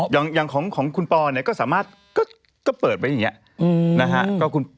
อย่างของคุณปอลก็สามารถก็เปิดไว้อย่างนี้